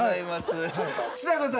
ちさ子さん